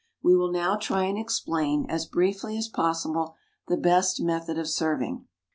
We will now try and explain, as briefly as possible, the best method of serving.